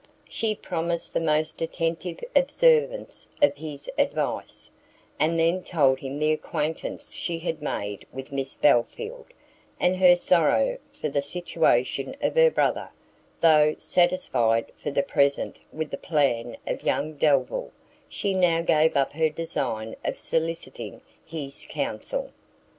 She promised the most attentive observance of his advice: and then told him the acquaintance she had made with Miss Belfield, and her sorrow for the situation of her brother; though, satisfied for the present with the plan of young Delvile, she now gave up her design of soliciting his counsel.